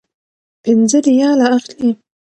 پنځه ریاله اخلي.